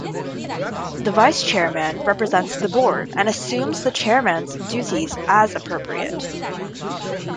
The vice chairman represents the Board and assumes the chairman's duties as appropriate.